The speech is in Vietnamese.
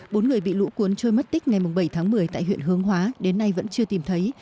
bốn người bị lũ cuốn trôi mất tích ngày bảy tháng một mươi tại huyện hướng hóa đến nay vẫn chưa tìm thấy